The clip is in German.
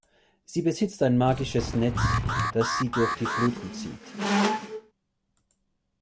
Sie besitzt ein magisches Netz, das sie durch die Fluten zieht.